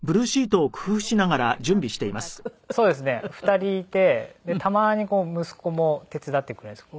２人いてたまに息子も手伝ってくれるんですけど。